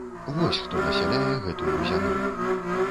Вось хто насяляе гэтую зямлю.